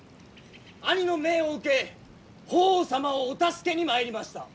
兄の命を受け法皇様をお助けに参りました。